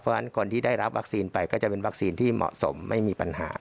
เพราะฉะนั้นคนที่ได้รับวัคซีนไปก็จะเป็นวัคซีนที่เหมาะสมไม่มีปัญหา